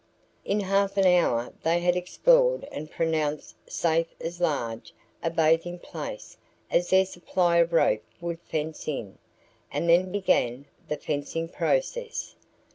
In half an hour they had explored and pronounced safe as large a bathing place as their supply of rope would "fence in" and then began the "fencing" process.